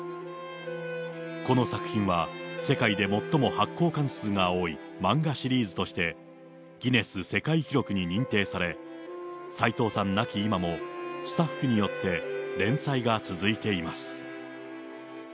この作品は、世界で最も発行巻数が多い漫画シリーズとして、ギネス世界記録に認定され、さいとうさん亡き今も、スタッフによって連載が続いています。